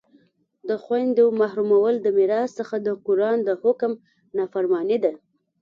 د خویندو محرومول د میراث څخه د قرآن د حکم نافرماني ده